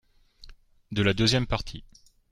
de la deuxième partie.